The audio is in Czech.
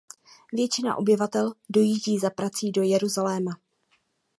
Většina obyvatel dojíždí za prací do Jeruzaléma.